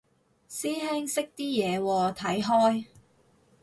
師兄識啲嘢喎，睇開？